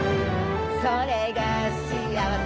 「それがしあわせ」